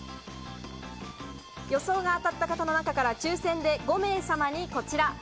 予想が当たった方の中から抽選で５名様にこちら。